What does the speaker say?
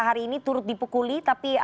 hari ini turut dipukuli tapi